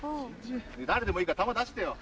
誰でもいいから球出してよ。